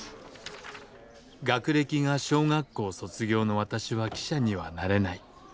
学歴が小学校卒業の私は記者にはなれない。